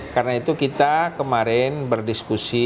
karena itu kita kemarin berdiskusi